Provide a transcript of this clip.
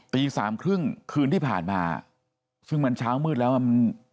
ตีสามครึ่งคืนที่ผ่านมาซึ่งมันเช้ามืดแล้วอ่ะมัน